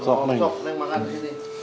sok neng makan